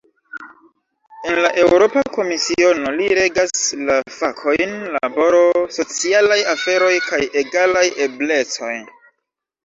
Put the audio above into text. En la Eŭropa Komisiono, li regas la fakojn "laboro, socialaj aferoj kaj egalaj eblecoj".